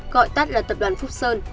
gọi tắt là tập đoàn phúc sơn